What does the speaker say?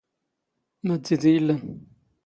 ⵎⴰⴷ ⴷⵉⴷⵉ ⵉⵍⵍⴰⵏ?